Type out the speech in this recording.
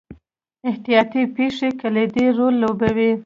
احتیاطي پېښې کلیدي رول لوبوي.